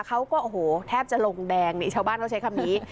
เขาก็โอ้โหแทบจะลงแดงนี่ชาวบ้านเขาใช้คำนี้